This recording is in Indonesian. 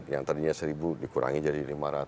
yang tadinya seribu dikurangi jadi lima ratus